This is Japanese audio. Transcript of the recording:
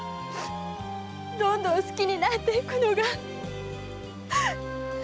どんどん好きになっていくのが！